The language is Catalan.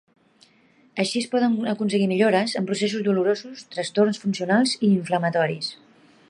Així es poden aconseguir millores en processos dolorosos, trastorns funcionals i inflamatoris.